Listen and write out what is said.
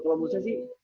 kalau menurut saya sih